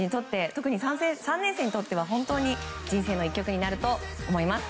特に３年生にとっては本当に人生の１曲になると思います。